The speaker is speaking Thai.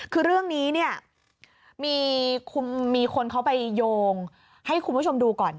คือเรื่องนี้เนี่ยมีคนเขาไปโยงให้คุณผู้ชมดูก่อน